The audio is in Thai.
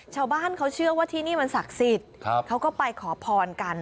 ชาวบ้านเขาเชื่อว่าที่นี่มันศักดิ์สิทธิ์เขาก็ไปขอพรกัน